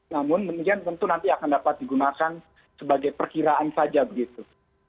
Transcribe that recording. namun demikian tentu nanti akan dapat digunakan sebagai perkiraan saja begitu